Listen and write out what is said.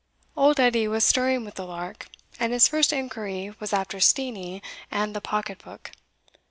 Old Edie was stirring with the lark, and his first inquiry was after Steenie and the pocket book.